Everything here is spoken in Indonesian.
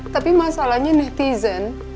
tapi masalahnya netizen